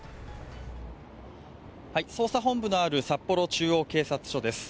捜査本部のある札幌中央警察署です。